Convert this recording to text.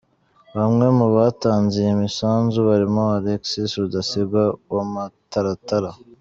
Bamwe mu batanze iyi misanzu barimo Alexis Rudasingwa w’amataratara